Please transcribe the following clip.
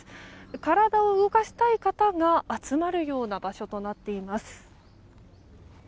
体を動かしたい方が集まるような場所となっています。